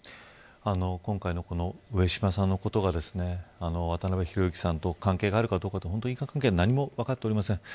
今回の上島さんのことが渡辺裕之さんと関係があるかどうか因果関係は何も分かっておりません。